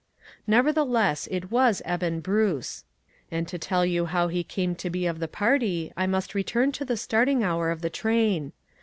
Nevertheless, it was Eben Bruce. And to tell you how he came to be of the party, I must return to the starting hour of the train.